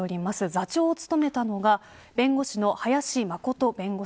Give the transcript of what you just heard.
座長を務めたのは弁護士の林眞琴氏。